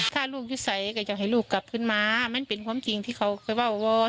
ถ้าลูกนิสัยก็อยากให้ลูกกลับขึ้นมามันเป็นความจริงที่เขาเคยว่าวอ